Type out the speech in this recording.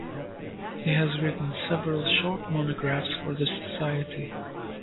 He has written several short monographs for the society.